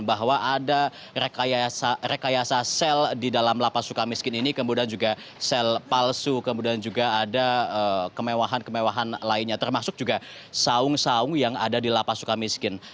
bahwa ada rekayasa sel di dalam lapas suka miskin ini kemudian juga sel palsu kemudian juga ada kemewahan kemewahan lainnya termasuk juga saung saung yang ada di lapas suka miskin